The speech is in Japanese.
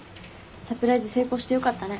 サプライズ成功してよかったね。